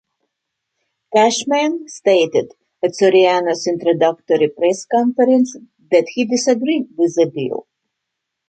Cashman stated at Soriano's introductory press conference that he disagreed with the deal.